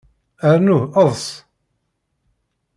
Rnu eḍṣ.